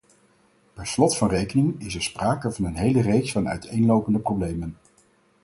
Per slot van rekening is er sprake van een hele reeks van uiteenlopende problemen.